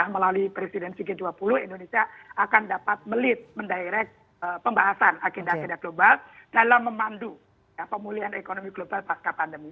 melalui presidensi g dua puluh indonesia akan dapat melit mendirect pembahasan agenda agenda global dalam memandu pemulihan ekonomi global pasca pandemi